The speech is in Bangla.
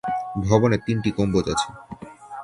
ভবনে তিনটি গম্বুজ আছে।